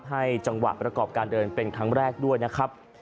ให้จังหวะประกอบการเดินเป็นครั้งแรกด้วยนะครับ